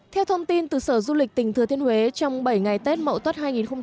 theo thông tin từ sở du lịch tỉnh thừa thiên huế trong bảy ngày tết mậu tuất hai nghìn hai mươi